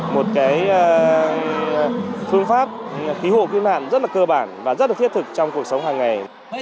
một phương pháp ký hộ quy mạng rất là cơ bản và rất là thiết thực trong cuộc sống hàng ngày